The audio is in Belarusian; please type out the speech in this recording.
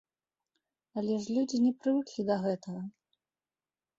Але ж людзі не прывыклі да гэтага!